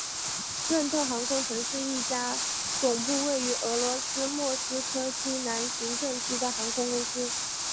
任特航空曾是一家总部位于俄罗斯莫斯科西南行政区的航空公司。